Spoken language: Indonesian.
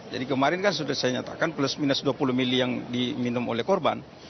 jadi kemarin kan sudah saya nyatakan plus minus dua puluh mili yang diminum oleh korban